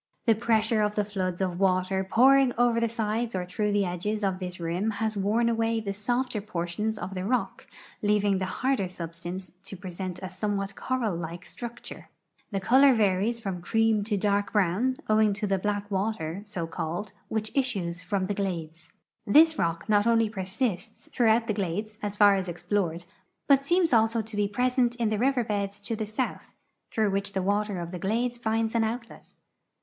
The pre.ssure of the Hoods of water pouring over the sides or through the edges of this rim has worn away the softer portions of tbe rock, leaving tbe barder sul)sta.nce to present a soniewbat coral like structure. 4'be color varies from cream to dark l»r<;wn, owing to tbe black water, so called, wbieb issues from tbe gbules. This rock not only i)crsists tbrougbout tbe 388 GEOGRAPHY OF THE SOUTHERN PENINSULA glades, so far as explored, but seems also to be present in the river beds to the south, tlirough which the water of the glades finds an outlet.